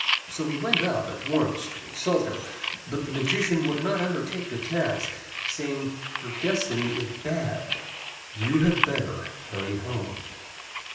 So he went off at once to consult him; but the magician would not undertake the task, saying, "Your destiny is bad: you had better hurry home."